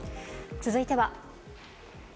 続いては。